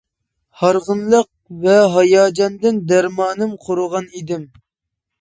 ھارغىنلىق ۋە ھاياجاندىن دەرمانىم قۇرۇغان ئىدىم.